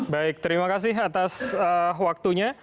baik terima kasih atas waktunya